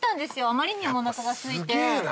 あまりにもおなかがすいて。